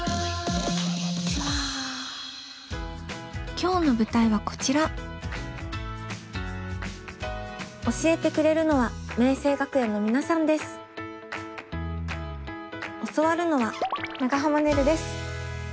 今日の舞台はこちら教えてくれるのは教わるのは長濱ねるです。